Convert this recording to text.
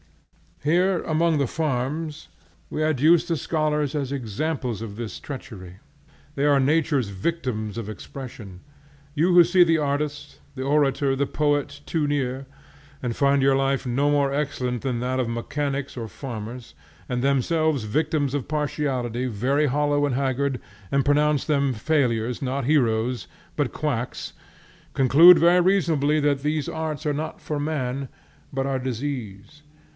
Here, among the farms, we adduce the scholars as examples of this treachery. They are nature's victims of expression. You who see the artist, the orator, the poet, too near, and find their life no more excellent than that of mechanics or farmers, and themselves victims of partiality, very hollow and haggard, and pronounce them failures, not heroes, but quacks, conclude very reasonably that these arts are not for man, but are disease.